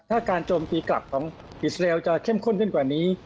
ถ้าการโจมตีกลับของอิสราเอลจะเข้มข้นขึ้นกว่านี้